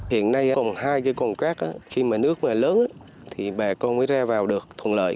hiện nay còn hai cây cồn cát khi mà nước mà lớn thì bà con mới ra vào được thuận lợi